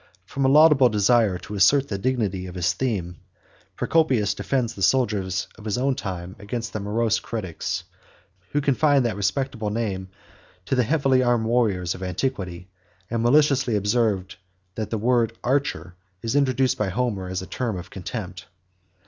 From a laudable desire to assert the dignity of his theme, Procopius defends the soldiers of his own time against the morose critics, who confined that respectable name to the heavy armed warriors of antiquity, and maliciously observed, that the word archer is introduced by Homer8 as a term of contempt.